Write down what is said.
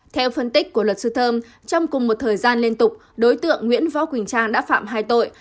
theo phân tích của luật sư thơm trong cùng một thời gian liên tục đối tượng nguyễn võ quỳnh trang đã phạm hai tội